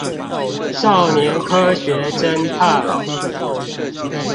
少年科學偵探